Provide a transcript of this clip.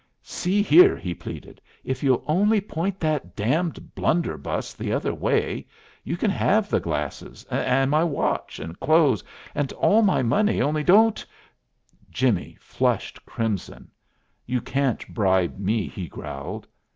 "See here!" he pleaded, "if you'll only point that damned blunderbuss the other way, you can have the glasses, and my watch, and clothes, and all my money; only don't " Jimmie flushed crimson. "You can't bribe me," he growled.